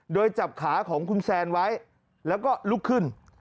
โดยจับขาของคุณแซนไว้แล้วก็ลุกขึ้น